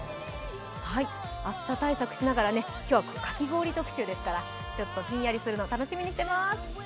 暑さ対策しながら、今日はかき氷特集ですからちょっとひんやりするのを楽しみにしています。